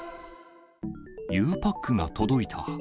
ゆうパックが届いた。